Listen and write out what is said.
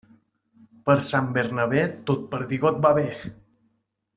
Per Sant Bernabé, tot perdigot va bé.